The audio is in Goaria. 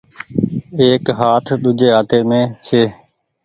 ايڪ هآت ۮوجھي هآتي مين ڇي۔